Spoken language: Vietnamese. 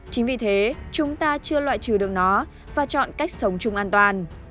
chính vì thế chúng ta chưa loại trừ được nó và chọn cách sống chung an toàn